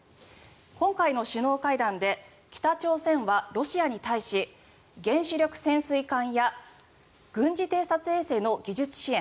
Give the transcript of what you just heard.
今回の首脳会談で北朝鮮はロシアに対し原子力潜水艦や軍事偵察衛星の技術支援